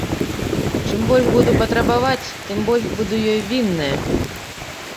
Чым больш буду патрабаваць, тым больш буду ёй вінная.